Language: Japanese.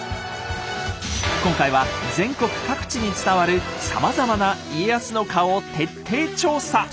今回は全国各地に伝わるさまざまな「家康の顔」を徹底調査！